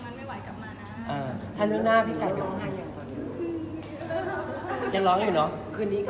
เจ๊ดีกับหนูขนาดนี้ก็ขอบคุณมาก